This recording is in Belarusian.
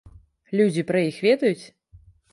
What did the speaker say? Людзі пра іх ведаюць?